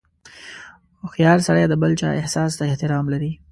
• هوښیار سړی د بل چا احساس ته احترام لري.